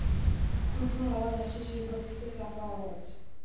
ক্রুদ্ধ আওয়াজ আসছে সে-ঘর থেকে চাপা আওয়াজ।